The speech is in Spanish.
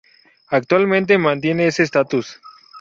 Actualmente mantiene ese status.